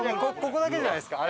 ここだけじゃないですか？